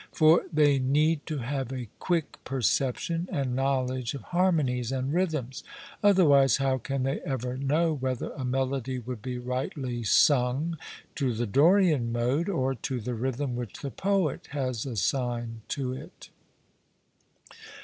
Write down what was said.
For they need to have a quick perception and knowledge of harmonies and rhythms; otherwise, how can they ever know whether a melody would be rightly sung to the Dorian mode, or to the rhythm which the poet has assigned to it?